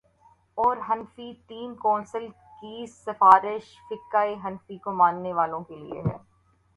اورحنفی تین کونسل کی سفارش فقہ حنفی کے ماننے والوں کے لیے ہے۔